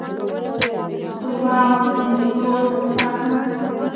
کورمه او بوڼ فرق نه لري